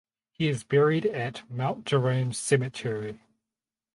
He is buried at Mount Jerome cemetery.